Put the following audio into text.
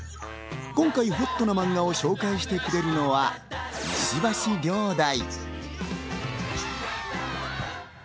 今回、ほっとな漫画を紹介してくれるのは石橋遼大。